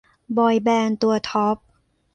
บอยแบนด์ตัวท็อป